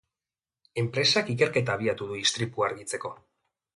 Enpresak ikerketa abiatu du istripua argitzeko.